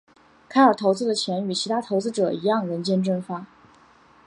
凯尔投资的钱与其他投资者一样人间蒸发。